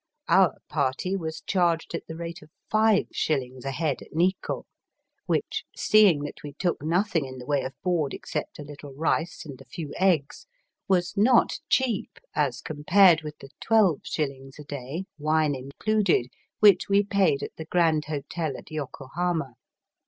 Our party was charged at the rate of five shillings a head at Nikko, which, seeing that we took nothing in the way of board except a little rice and a few eggs, was not cheap as compared with the twelve shillings a day, wine included, which we paid at the Grand Hotel at Yokohama.